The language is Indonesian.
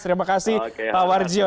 terima kasih pak warjio